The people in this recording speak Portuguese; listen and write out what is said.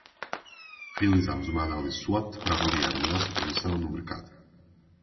Realizamos uma análise SWOT para avaliar nossa posição no mercado.